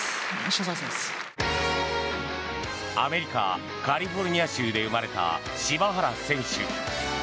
アメリカ・カリフォルニア州で生まれた柴原選手。